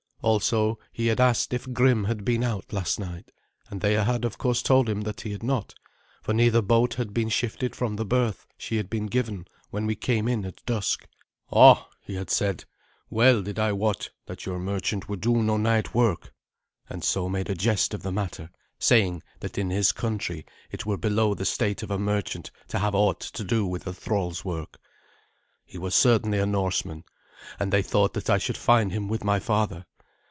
Also he had asked if Grim had been out last night, and they had of course told him that he had not, for neither boat had been shifted from the berth she had been given when we came in at dusk. "Ah," he had said, "well did I wot that your merchant would do no night work," and so made a jest of the matter, saying that in his country it were below the state of a merchant to have aught to do with a thrall's work. He was certainly a Norseman, and they thought that I should find him with my father.